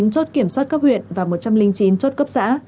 một mươi chín chốt kiểm soát cấp huyện và một trăm linh chín chốt cấp xã